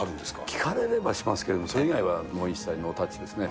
聞かれればしますけれども、それ以外はもう一切ノータッチですね。